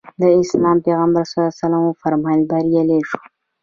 د اسلام پیغمبر ص وفرمایل بریالی شو.